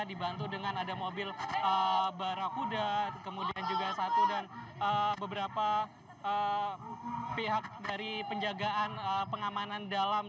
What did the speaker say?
dibantu dengan ada mobil barakuda kemudian juga satu dan beberapa pihak dari penjagaan pengamanan dalam